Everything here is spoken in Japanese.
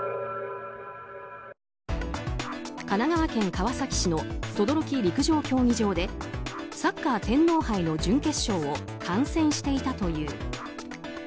神奈川県川崎市の等々力陸上競技場でサッカー天皇杯の準決勝を観戦していたという。